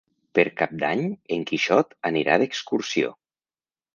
Per Cap d'Any en Quixot anirà d'excursió.